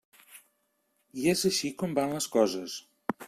I és així com van les coses.